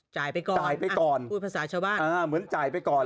ไปก่อนจ่ายไปก่อนพูดภาษาชาวบ้านอ่าเหมือนจ่ายไปก่อน